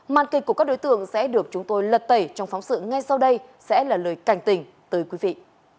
màn kịch của các đối tượng sẽ được chúng tôi lật tẩy trong phóng sự ngay sau đây sẽ là lời cảnh tình tới quý vị